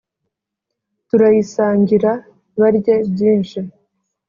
Turayisangira barye byinshi,